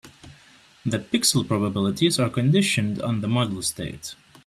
The pixel probabilities are conditioned on the model state.